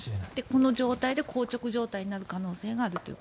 この状態でこう着状態になる可能性があると。